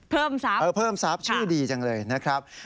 เพิวมซับเออเพิ่มซับชื่อดีจังเลยนะครับ